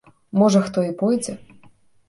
Можа, хто і пойдзе?